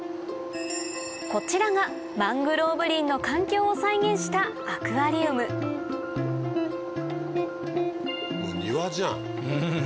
こちらがマングローブ林の環境を再現したアクアリウム庭じゃん。